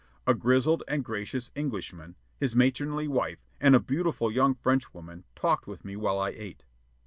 A grizzled and gracious Englishman, his matronly wife, and a beautiful young Frenchwoman talked with me while I ate.